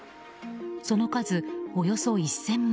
その数、およそ１０００枚。